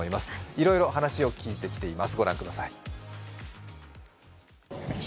いろいろ話を聞いてきています。